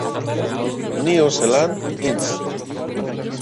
New Zealand Inst.